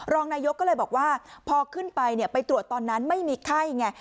รองนายกก็เลยบอกว่าพอขึ้นไปไปตรวจตอนนั้นไม่มีไข้ไง